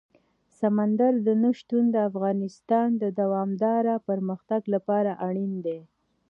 سمندر نه شتون د افغانستان د دوامداره پرمختګ لپاره اړین دي.